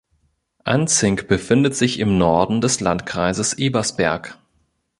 Anzing befindet sich im Norden des Landkreises Ebersberg.